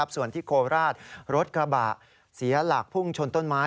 ส่วนที่โคราชรถกระบะเสียหลักพุ่งชนต้นไม้